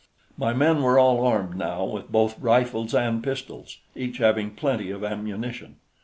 My men were all armed now with both rifles and pistols, each having plenty of ammunition.